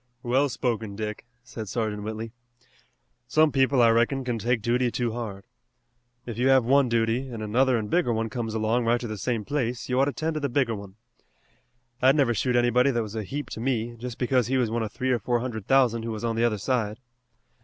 "Well spoken, Dick," said Sergeant Whitley. "Some people, I reckon, can take duty too hard. If you have one duty an' another an' bigger one comes along right to the same place you ought to 'tend to the bigger one. I'd never shoot anybody that was a heap to me just because he was one of three or four hundred thousand who was on the other side.